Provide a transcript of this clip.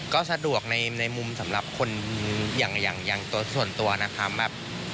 ก็สะดวกในมุมสำหรับคนอย่างตัวส่วนตัวนะคะแบบ